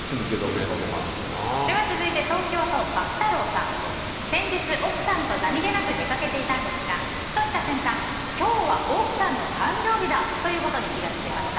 続いて、東京都の方。先日、奥さんと何気なく出かけていたんですがふとした瞬間、今日は奥さんの誕生日だということに気が付きました。